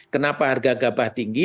kenapa harga gabah tinggi